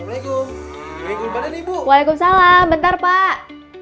assalamualaikum waalaikumsalam bentar pak